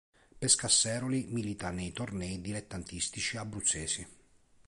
Pescasseroli milita nei tornei dilettantistici abruzzesi.